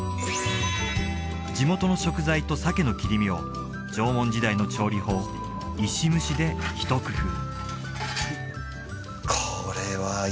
地元の食材と鮭の切り身を縄文時代の調理法石蒸しで一工夫